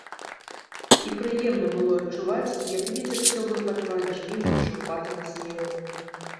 І прыемна было адчуваць, як вецер сцёбае па твары жменямі шурпатага снегу.